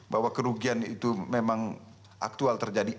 bahwa kerugian itu memang aktual terjadi